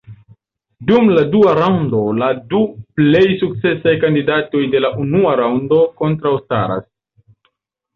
Dum la dua raŭndo la du plej sukcesaj kandidatoj de la unua raŭndo kontraŭstaras.